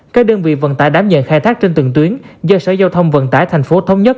các đơn vị vận tải đảm nhận khai thác trên từng tuyến do sở giao thông vận tải thành phố thống nhất